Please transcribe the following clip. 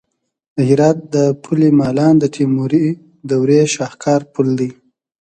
د هرات د پل مالان د تیموري دورې شاهکار پل دی